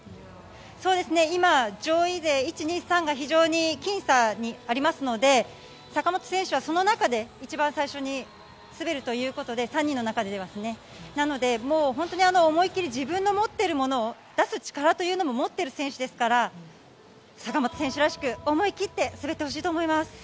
今、上位勢１、２、３が非常に僅差にありますので坂本選手はその３人の中で一番最初に滑るということで思い切り自分の持っているものを出す力というのも持っている選手ですから坂本選手らしく思い切って滑ってほしいと思います。